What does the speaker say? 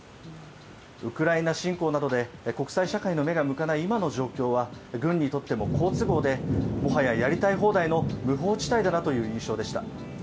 ウクライナ侵攻などで国際社会の目が向かない今の状況は軍にとっても好都合で、もはや、やりたい放題の無法地帯だなという印象でした。